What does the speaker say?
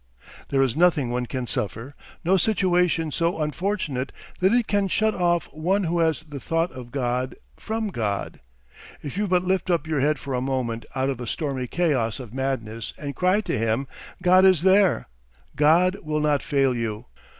There is nothing one can suffer, no situation so unfortunate, that it can shut off one who has the thought of God, from God. If you but lift up your head for a moment out of a stormy chaos of madness and cry to him, God is there, God will not fail you.